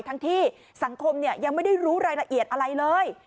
ทั้งที่สังคมยังไม่ได้รู้รายละเอียดอะไรเลย